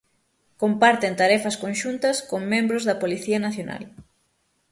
Comparten tarefas conxuntas con membros da Policía Nacional.